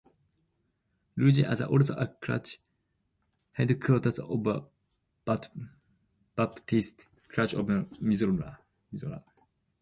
Lunglei is also the Church Headquarters of Baptist Church of Mizoram.